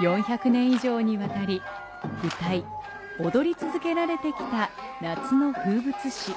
４００年以上にわたり歌い、踊り続けられてきた夏の風物詩。